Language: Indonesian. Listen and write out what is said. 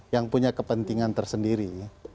yang punya kepentingan tersendiri